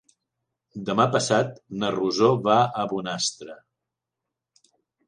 Demà passat na Rosó va a Bonastre.